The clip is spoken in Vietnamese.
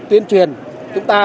tuyên truyền chúng ta